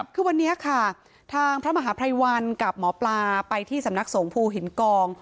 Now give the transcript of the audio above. คือวันนี้ค่ะทางพระมหาภัยวันกับหมอปลาไปที่สำนักสงภูหินกอง